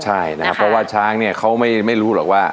ใช่นะครับเพราะว่าช้างเนี่ยเขาไม่รู้หรอกว่า